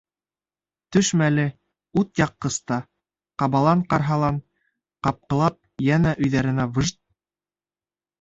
Төш мәле утъяҡҡыста ҡабалан-ҡарһалан ҡапҡылап, йәнә өйҙәренә — выжт!